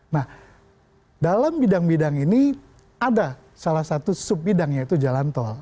nah dalam bidang bidang ini ada salah satu sub bidang yaitu jalan tol